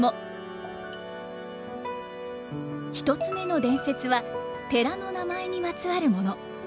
１つ目の伝説は寺の名前にまつわるもの。